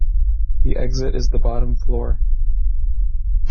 The exit is the bottom floor.